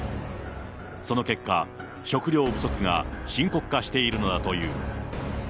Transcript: その結果、食料不足が深刻化しているのだという。